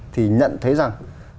thì nhận thấy rằng